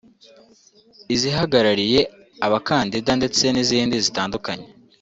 izihagarariye abakandida ndetse n’izindi zitandukanye